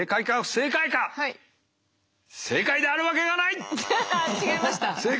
正解であるわけがない！